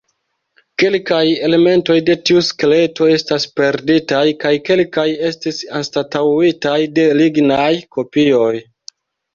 Kelkaj elementoj de tiu skeleto estas perditaj, kaj kelkaj estis anstataŭitaj de lignaj kopioj.